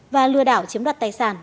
và lừa đảo chiếm đoạt tài sản